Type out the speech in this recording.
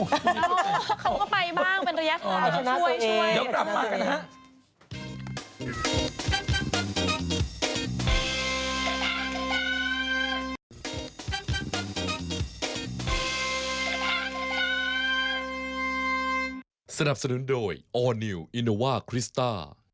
เขาก็ไปบ้างเป็นระยะคาช่วยอย่าปรับมากันฮะ